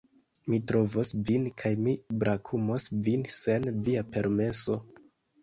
Mi trovos vin kaj mi brakumos vin sen via permeso...